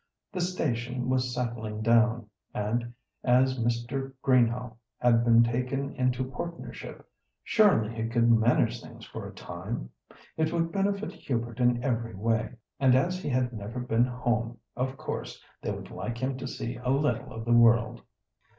The station was settling down, and as Mr. Greenhaugh had been taken into partnership, surely he could manage things for a time? It would benefit Hubert in every way, and as he had never been 'home,' of course they would like him to see a little of the world."